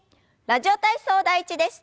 「ラジオ体操第１」です。